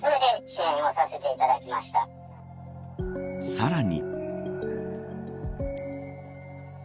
さらに。